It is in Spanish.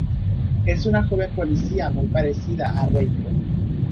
Es una joven policía muy parecida a Reiko.